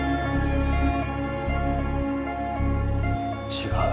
違う。